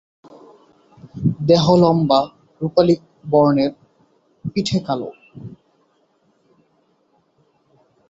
দেহ লম্বা, রুপালি বর্ণের, পিঠে কালো।